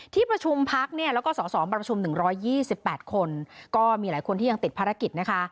ที่ประชุมพักเนี่ยแล้วก็สสมาประชุม๑๒๘คนก็มีหลายคนที่ยังติดภารกิจนะคะ